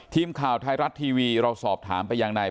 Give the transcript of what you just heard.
ทีมข่าวไทยรัฐทีวีเราสอบถามไปยังนาย